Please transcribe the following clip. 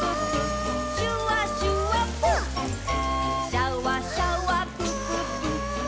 「シャワシャワプププ」ぷー。